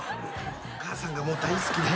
お母さんがもう大好きで。